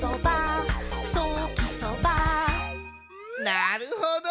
なるほど。